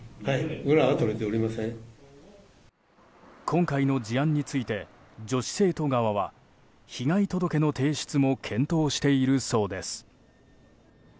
今回の事案について女子生徒側は被害届の提出も検討しているそうです。